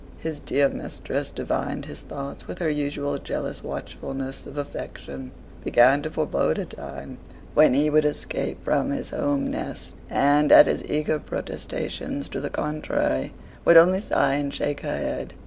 His dear mistress divined his thoughts with her usual jealous watchfulness of affection: began to forebode a time when he would escape from his home nest; and, at his eager protestations to the contrary, would only sigh and shake her head.